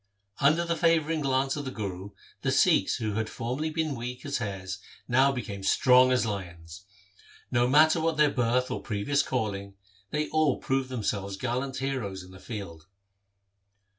Under the favouring glance of the Guru the Sikhs who had formerly been weak as hares now became strong as lions. No matter what their birth or previous calling, they all proved themselves gallant heroes in the field.